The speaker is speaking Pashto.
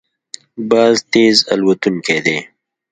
باز تېز الوتونکی دی